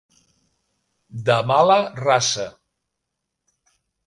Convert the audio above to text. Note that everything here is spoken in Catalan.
De mala raça.